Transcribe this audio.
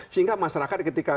sehingga masyarakat ketika